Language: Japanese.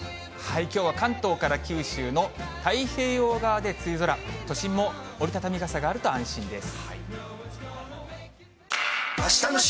きょうは関東から九州の太平洋側で梅雨空、都心も折り畳み傘があると安心です。